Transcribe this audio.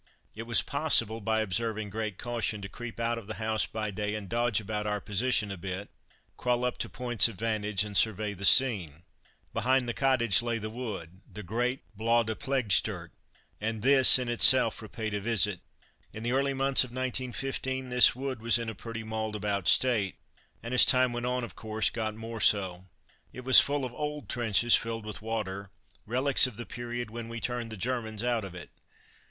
It was possible, by observing great caution, to creep out of the house by day and dodge about our position a bit, crawl up to points of vantage and survey the scene. Behind the cottage lay the wood the great Bois de Ploegstert and this in itself repaid a visit. In the early months of 1915 this wood was in a pretty mauled about state, and as time went on of course got more so. It was full of old trenches, filled with water, relies of the period when we turned the Germans out of it.